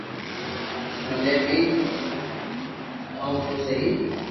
مني بي ھڻاو تو سھي